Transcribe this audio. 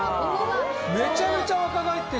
めちゃめちゃ若返ってる。